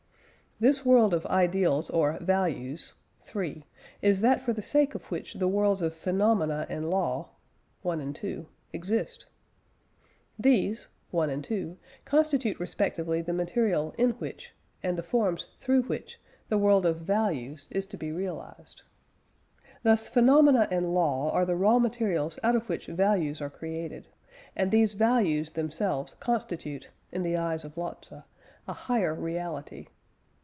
This world of ideals or values (3) is that for the sake of which the worlds of phenomena and law (1 and 2) exist. These (1 and 2) constitute respectively the material in which, and the forms through which, the world of "values" is to be realised. Thus phenomena and law are the raw material out of which "values" are created; and these "values" themselves constitute (in the eyes of Lotze) a higher reality.